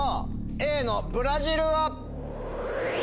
Ａの「ブラジル」は。